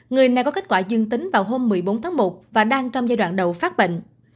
người này có kết quả dương tính vào hôm một mươi bốn tháng một và đang trong giai đoạn đầu phát bệnh